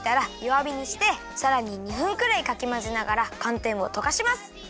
わびにしてさらに２分くらいかきまぜながらかんてんをとかします。